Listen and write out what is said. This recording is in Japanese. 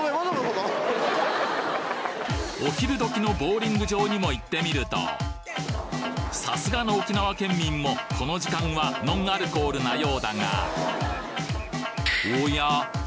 お昼時のボウリング場にも行ってみるとさすがの沖縄県民もこの時間はノンアルコールなようだがおや？